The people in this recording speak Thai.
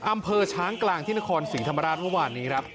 อำเภอช้างกลางที่นครศรีธรรมราชเมื่อวานนี้ครับ